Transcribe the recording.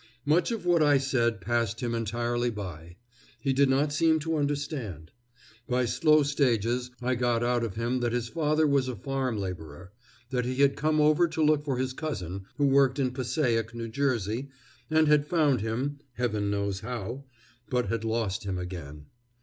Much of what I said passed him entirely by. He did not seem to understand. By slow stages I got out of him that his father was a farm laborer; that he had come over to look for his cousin, who worked in Passaic, New Jersey, and had found him, Heaven knows how! but had lost him again.